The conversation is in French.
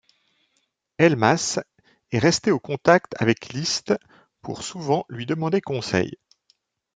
Elmas est resté en contact avec Liszt pour souvent lui demander conseil.